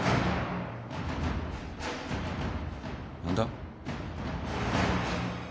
何だ？